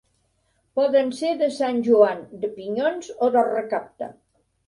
Poden ser de sant Joan, de pinyons o de recapta.